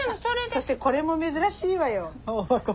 そしてこれも珍しいわよ。